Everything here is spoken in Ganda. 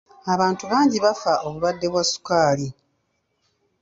Abantu bangi bafa obulwadde bwa sukaali.